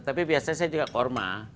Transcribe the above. tapi biasanya saya juga korma